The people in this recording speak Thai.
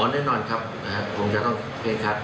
อ๋อแน่นอนครับคงจะต้องเคล็ดคัด